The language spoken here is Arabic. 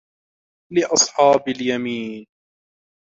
لأصحاب اليمين